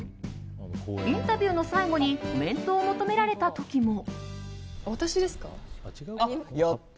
インタビューの最後にコメントを求められた時も。